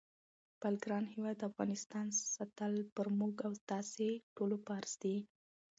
خپل ګران هیواد افغانستان ساتل پر موږ او تاسی ټولوفرض دی